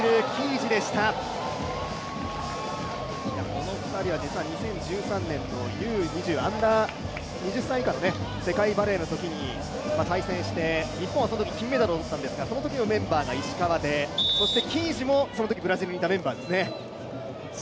この２人、実は２０１３年のＵ−２０の世界バレーのときに対戦して、日本はそのときに金メダルを取ったんですがそのときのメンバーが石川で、キージもそのときブラジルにいたメンバーですね。